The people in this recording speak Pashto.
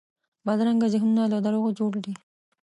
بدرنګه ذهنونه له دروغو جوړ دي